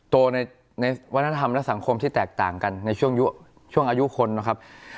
โตในวัฒนธรรมและสังคมที่แตกต่างกันในช่วงอายุคนนะครับ